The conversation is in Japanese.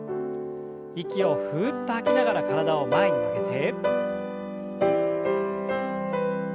息をふっと吐きながら体を前に曲げて。